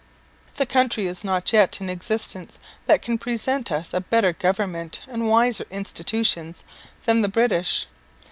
The country is not yet in existence that can present us a better government and wiser institutions than the British.